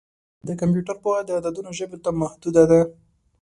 د کمپیوټر پوهه د عددونو ژبې ته محدوده ده.